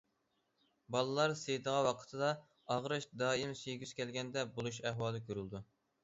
بالىلار سىيىدىغان ۋاقتىدا ئاغرىش، دائىم سىيگۈسى كەلگەندەك بولۇش ئەھۋالى كۆرۈلىدۇ.